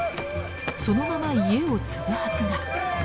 そのまま家を継ぐはずが。